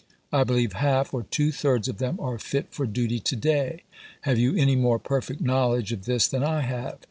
I believe half or two thirds of them are fit for duty to day. Have you any more perfect knowledge of this than I have